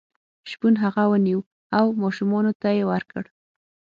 شپون هغه ونیو او ماشومانو ته یې ورکړ.